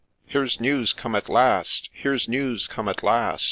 — Here 's news come at last !— Here 's news come at last